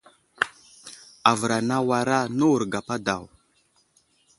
Avər anay awara, newuro gapa daw.